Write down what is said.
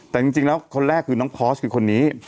แต่จริงแล้วคนแรกคือน้องพอสคือคนนี้